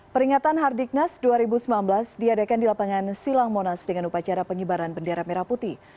peringatan hardiknas dua ribu sembilan belas diadakan di lapangan silang monas dengan upacara pengibaran bendera merah putih